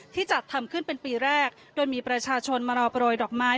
จัดทำขึ้นเป็นปีแรกโดยมีประชาชนมารอโปรยดอกไม้